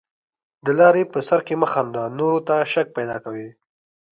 د لاري په سر کښي مه خانده، نورو ته شک پیدا کوې.